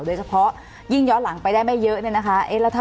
โดยเฉพาะยิ่งย้อนหลังไปได้ไม่เยอะเนี่ยนะคะ